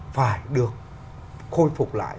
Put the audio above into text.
phải được khôi phục lại